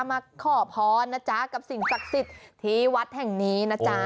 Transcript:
มาขอพรนะจ๊ะกับสิ่งศักดิ์สิทธิ์ที่วัดแห่งนี้นะจ๊ะ